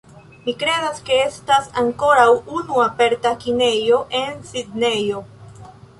Mi kredas, ke estas ankoraŭ unu aperta kinejo en Sidnejo